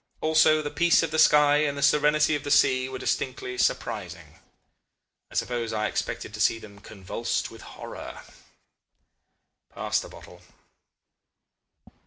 Also the peace of the sky and the serenity of the sea were distinctly surprising. I suppose I expected to see them convulsed with horror.... Pass the bottle.